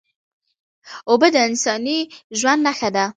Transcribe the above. اوبه د انساني ژوند نښه ده